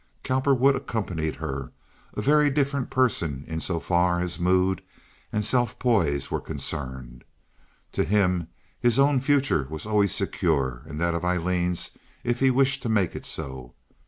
Cowperwood accompanied her, a very different person in so far as mood and self poise were concerned. To himself his own future was always secure, and that of Aileen's if he wished to make it so.